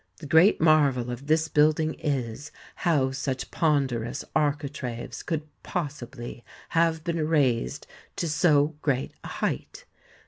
The great marvel of this building is, how such pon derous architraves could possibly have been raised to so great a height.